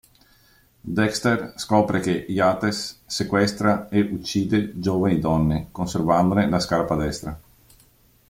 Dexter scopre che Yates sequestra e uccide giovani donne, conservandone la scarpa destra.